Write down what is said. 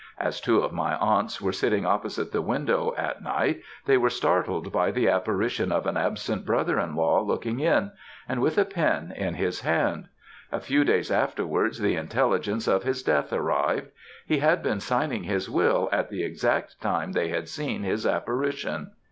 As two of my aunts were sitting opposite the window, at night, they were startled by the apparition of an absent brother in law looking in, and with a pen in his hand. A few days afterwards the intelligence of his death arrived. He had been signing his will at the exact time they had seen his apparation.